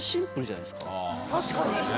確かに。